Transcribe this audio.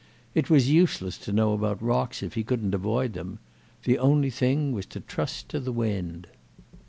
It was useless to know about rocks if he couldn't avoid them; the only thing was to trust to the wind.